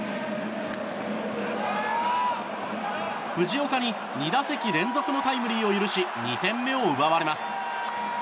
藤岡に２打席連続のタイムリーを許し２点目を奪われます。